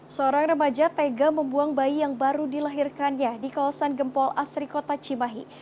seorang remaja tega membuang bayi yang baru dilahirkannya di kawasan gempol asri kota cimahi